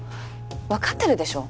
分かってるでしょ